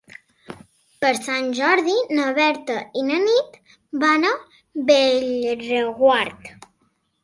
Per Sant Jordi na Berta i na Nit van a Bellreguard.